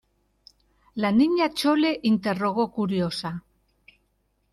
la Niña Chole interrogó curiosa: